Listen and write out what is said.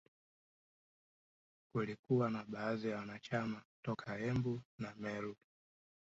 Kulikuwa na baadhi ya wanachama toka Embu na Meru